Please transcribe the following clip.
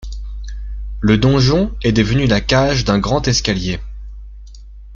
Le donjon est devenu la cage d'un grand escalier.